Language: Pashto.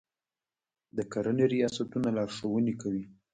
د کرنې ریاستونه لارښوونې کوي.